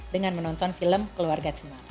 dengan menonton film keluarga cuman